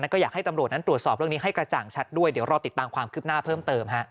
แล้วก็อยากให้ตำรวจนั้นตรวจสอบเรื่องนี้ให้กระจ่างชัดด้วยเดี๋ยวรอติดตามความคืบหน้าเพิ่มเติม